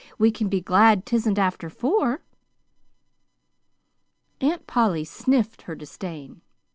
We can be glad 'tisn't after four." Aunt Polly sniffed her disdain.